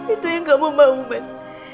itu yang kamu mau mas